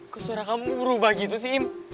suara kamu berubah gitu sih im